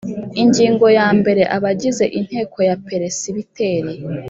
Ingingo ya mbere Abagize Inteko ya Peresibiteri